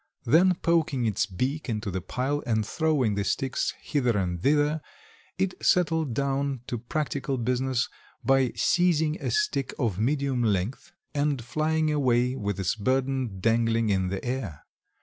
Then poking its beak into the pile and throwing the sticks hither and thither it settled down to practical business by seizing a stick of medium length and flying away with its burden dangling in the air.